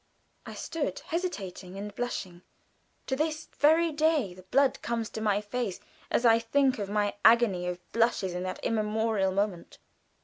I stood hesitating and blushing. (To this very day the blood comes to my face as I think of my agony of blushes in that immemorial moment.)